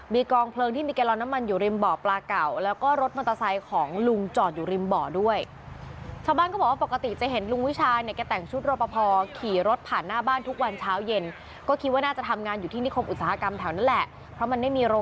มีกองเพลิงที่มีแกรมน้ำมันอยู่ริมบ่อปลาเก่า